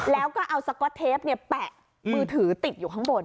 แล้วก็เอาสก๊อตเทปแปะมือถือติดอยู่ข้างบน